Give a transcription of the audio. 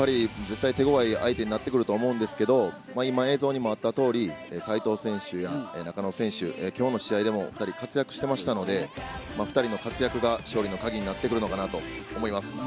手強い相手になってくると思うんですけれど、齋藤選手や中野選手、今日の試合でもお２人活躍していましたので、２人の活躍が勝利のカギになってくるのかなと思います。